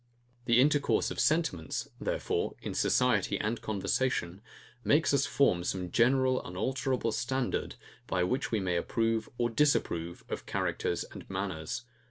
The intercourse of sentiments, therefore, in society and conversation, makes us form some general unalterable standard, by which we may approve or disapprove of characters and manners.